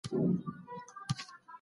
رښتينی انسان دا مهال قران لولي.